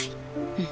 うん。